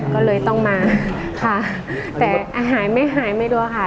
ก็เลยต้องมาแต่หายไม่รู้ค่ะ